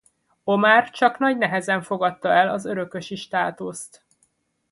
Omár csak nagy nehezen fogadta el az örökösi státuszt.